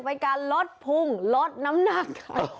เป็นการลดพุงลดน้ำหนักค่ะ